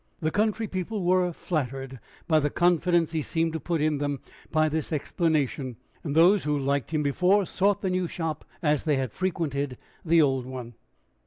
The country people were flattered by the confidence he seemed to put in them by this explanation, and those who liked him before sought the new shop as they had frequented the old one.